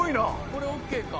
これＯＫか。